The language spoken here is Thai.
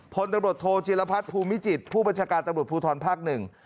พลตำรวจโทจิลพัฒน์ภูมิจิตผู้บัญชาการตำรวจภูทรภาคหนึ่ง